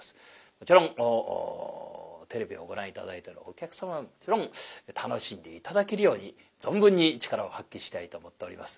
もちろんテレビをご覧頂いてるお客様ももちろん楽しんで頂けるように存分に力を発揮したいと思っております。